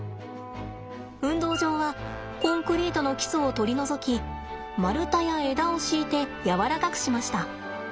運動場はコンクリートの基礎を取り除き丸太や枝を敷いて柔らかくしました。